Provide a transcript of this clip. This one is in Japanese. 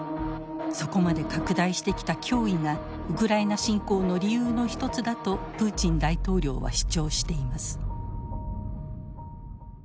そこまで拡大してきた脅威がウクライナ侵攻の理由の一つだとプーチン大統領は主張しています。